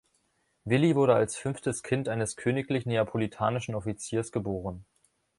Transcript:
Willi wurde als fünftes Kind eines königlich-neapolitanischen Offiziers geboren.